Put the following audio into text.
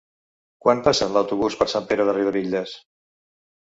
Quan passa l'autobús per Sant Pere de Riudebitlles?